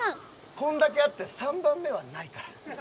こんだけあって３番目はないから。